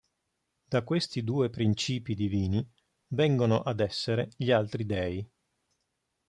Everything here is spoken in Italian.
Da questi due princìpi divini vengono ad essere gli altri dèi.